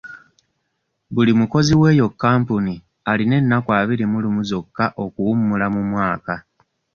Buli mukozi w'eyo kampuni alina ennaku abiri mu lumu zokka ez'okuwummula mu mwaka.